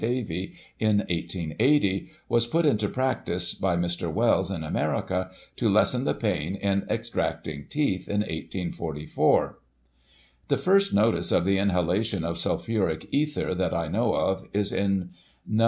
Davey in 1880, was put into practice by Mr. Wells, in America, to lessen the pain in extracting teeth in 1844. The first notice of the inhalation of sulphuric ether that I know of, is in No.